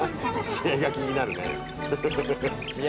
試合気になるね。